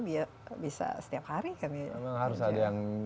biar bisa setiap hari kan ya